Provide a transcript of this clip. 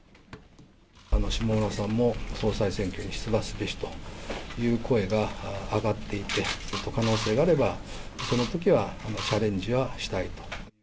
下村さんも総裁選挙に出馬すべしという声が上がっていて、可能性があれば、そのときはチャレンジはしたいと。